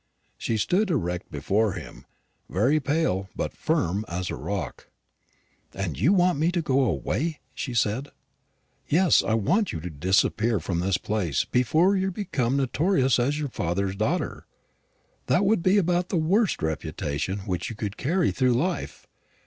She stood erect before him, very pale but firm as a rock. "And you want me to go away?" she said. "Yes, I want you to disappear from this place before you become notorious as your father's daughter. That would be about the worst reputation which you could carry through life.